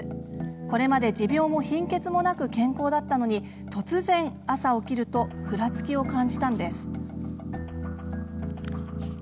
それまで持病も貧血もなく健康だったのに、突然朝起きるとふらつきを感じたのです。